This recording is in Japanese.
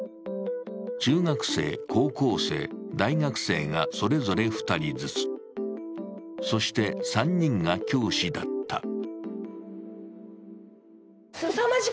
中学生、高校生、大学生がそれぞれ２人ずつ、そして３人が教師だった。